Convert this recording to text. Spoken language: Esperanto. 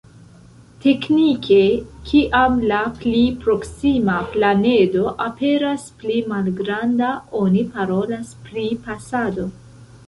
Teknike, kiam la pli proksima planedo aperas pli malgranda oni parolas pri pasado.